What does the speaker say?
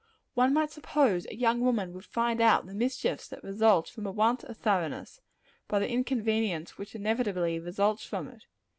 One might suppose a young woman would find out the mischiefs that result from a want of thoroughness, by the inconvenience which inevitably results from it.